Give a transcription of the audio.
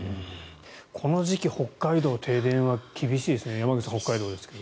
この時期、北海道停電は厳しいですね山口さん、北海道ですけど。